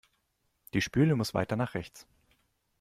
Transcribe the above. Die Spüle muss weiter nach rechts.